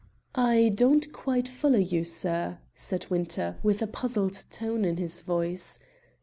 "I don't quite follow you, sir," said Winter, with a puzzled tone in his voice.